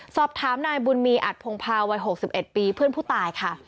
สอบถามนายบุญมีอัดพงภาวัย๖๑ปีเพื่อนผู้ตายค่ะ